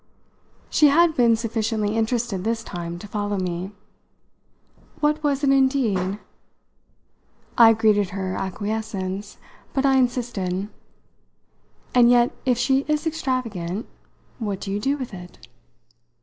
She had been sufficiently interested this time to follow me. "What was it indeed?" I greeted her acquiescence, but I insisted. "And yet if she is extravagant what do you do with it?"